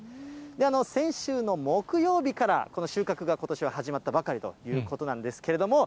先週の木曜日からこの収穫が、ことしは始まったばかりということなんですけれども。